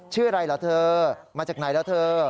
ชื่ออะไรเหรอเธอมาจากไหนแล้วเธอ